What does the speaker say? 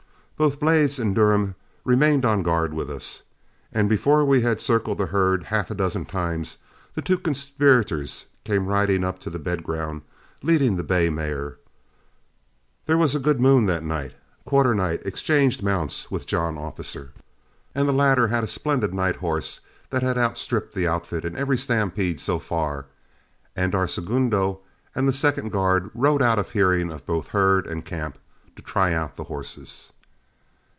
Both Blades and Durham remained on guard with us, and before we had circled the herd half a dozen times, the two conspirators came riding up to the bed ground, leading the bay mare. There was a good moon that night; Quarternight exchanged mounts with John Officer, as the latter had a splendid night horse that had outstripped the outfit in every stampede so far, and our segundo and the second guard rode out of hearing of both herd and camp to try out the horses.